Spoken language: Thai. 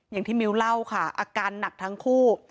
อย่างที่มิ้วเล่าค่ะอาการหนักทั้งคู่